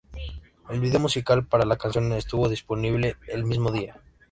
El vídeo musical para la canción estuvo disponible el mismo día.